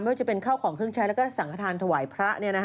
ว่าจะเป็นข้าวของเครื่องใช้แล้วก็สังขทานถวายพระ